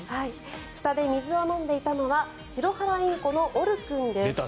ふたで水を飲んでいたのはシロハラインコのオル君です。